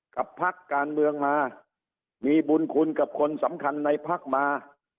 พักการเมืองมามีบุญคุณกับคนสำคัญในพักมา